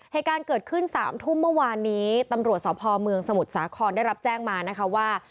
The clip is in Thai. เหตุการณ์เกิดขึ้น๓ทุ่มเมื่อวานนี้ตำรวจสพเมืองสมุทรสาครได้รับแจ้งมานะคะว่า